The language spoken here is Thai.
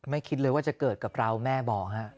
ไม่คิดเลยว่าจะเกิดกับเราแม่บอกครับ